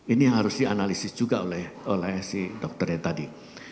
ini yang harus dianalisis juga oleh si dokternya tadi